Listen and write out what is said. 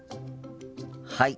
はい。